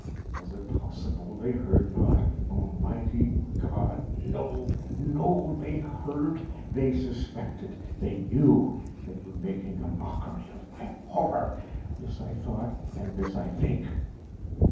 Was it possible they heard not? Almighty God!—no, no! They heard!—they suspected!—they knew!—they were making a mockery of my horror!—this I thought, and this I think.